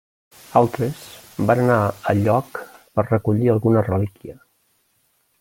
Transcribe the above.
Altres van anar a lloc per recollir alguna relíquia.